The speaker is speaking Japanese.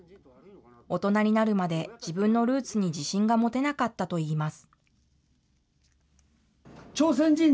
大人になるまで、自分のルーツに自信が持てなかったといいます。